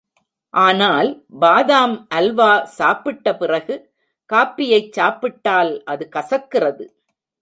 ஆனால் பாதாம் ஹல்வா சாப்பிட்ட பிறகு காபியைச் சாப்பிட்டால் அது கசக்கிறது.